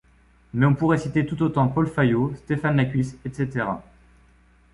Mais on pourrait citer tout autant Paul Fayault, Stéphane Lacuisse, etc.